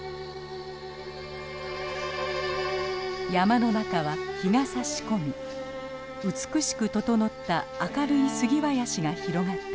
山の中は日がさし込み美しく整った明るいスギ林が広がっています。